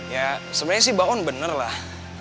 ya sebenarnya sih mbak on bener lah